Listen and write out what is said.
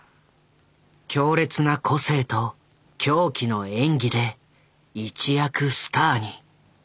強烈な個性と狂気の演技で一躍スターに。